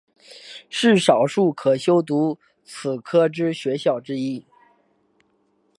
是少数可修读此科之学校之一。